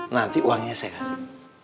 nanti uangnya saya kasih